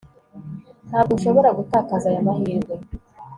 Ntabwo nshobora gutakaza aya mahirwe